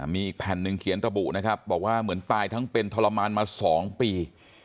มีอีกแผ่นหนึ่งเขียนระบุนะครับบอกว่าเหมือนตายทั้งเป็นทรมานมา๒ปี